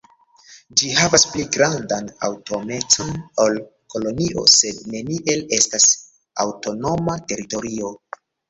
Ĝi havas pli grandan aŭtonomecon ol kolonio, sed neniel estas aŭtonoma teritorio.